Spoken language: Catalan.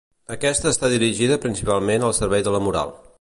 Aquesta està dirigida principalment al servei de la moral.